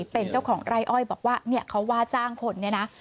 เป็นเจ้าของไร่อ้อยบอกว่าเนี่ยเขาว่าจ้างคนเนี่ยนะ